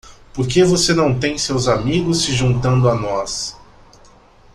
Por que você não tem seus amigos se juntando a nós?